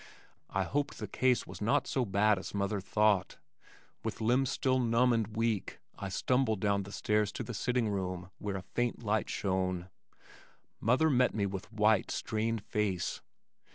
I hoped the case was not so bad as mother thought. With limbs still numb and weak I stumbled down the stairs to the sitting room where a faint light shone. Mother met me with white, strained face.